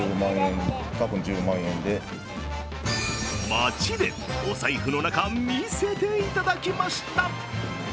街でお財布の中、見せていただきました。